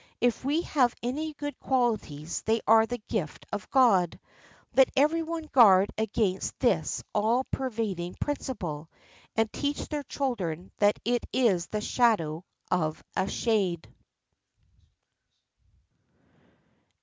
If we have any good qualities they are the gift of God. Let every one guard against this all pervading principle, and teach their children that it is the shadow of a shade.